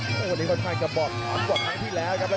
กระโดยสิ้งเล็กนี่ออกกันขาสันเหมือนกันครับ